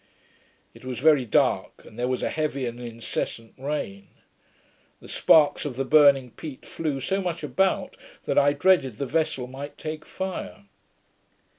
It was very dark, and there was a heavy and incessant rain. The sparks of the burning peat flew so much about, that I dreaded the vessel might take fire.